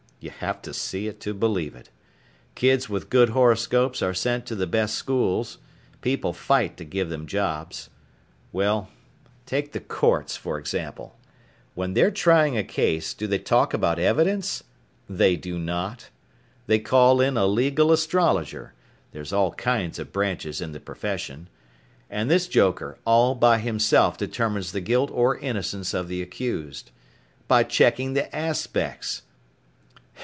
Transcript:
You have to see it to believe it. Kids with good horoscopes are sent to the best schools, people fight to give them jobs. Well, take the courts, for example. When they're trying a case, do they talk about evidence? They do not. They call in a legal astrologer there's all kinds of branches in the profession and this joker all by himself determines the guilt or innocence of the accused. By checking the aspects.